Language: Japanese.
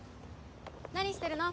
何してるの？